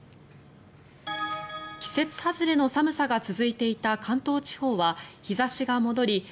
季節外れの寒さが続いていた関東地方は日差しが戻り